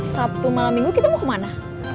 sabtu malam minggu kita mau kemana